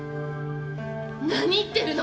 何言ってるの？